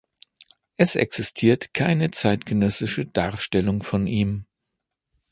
Es existiert keine zeitgenössische Darstellung von ihm.